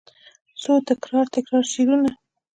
څو تکرار، تکرار شعرونه